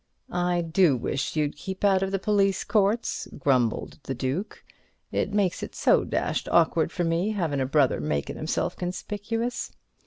"I do wish you'd keep out of the police courts," grumbled the Duke. "It makes it so dashed awkward for me, havin' a brother makin' himself conspicuous."